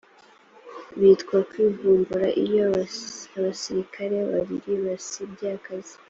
byitwa kwivumbura iyo abasirikare babiri basibye akazi